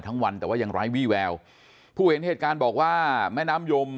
วันแต่ว่ายังไร้วี่แววผู้เห็นเหตุการณ์บอกว่าแม่น้ำยม